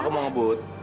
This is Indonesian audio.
aku mau ngebut